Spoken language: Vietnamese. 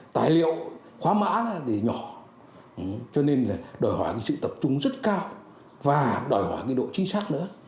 tài liệu khóa mã thì nhỏ cho nên là đổi hỏa sự tập trung rất cao và đổi hỏa độ chính xác nữa